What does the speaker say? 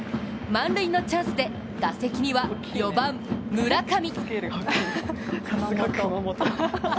満塁のチャンスで打席には４番・村上。